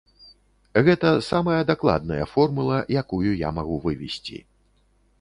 Гэта самая дакладная формула, якую я магу вывесці.